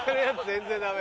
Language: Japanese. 全然ダメ。